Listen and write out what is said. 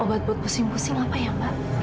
obat buat pusing pusing apa ya mbak